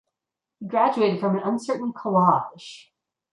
He graduated from an uncertain collage.